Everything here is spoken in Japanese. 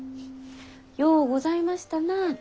ようございましたなあと。